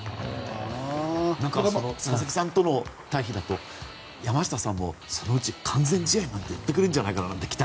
佐々木さんとの対比だと山下さんもそのうち改善試合をやってくれるんじゃないかと。